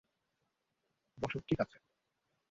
বস, ঠিক আছে?